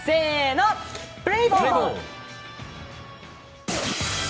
プレーボール！